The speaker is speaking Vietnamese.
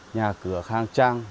nhà cửa khang trang